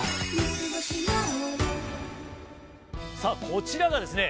こちらがですね